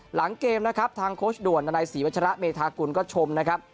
หลังเกมนะครับทางโค้ชด่วนในศรีวัชระเมธากุลก็ชมนะครับ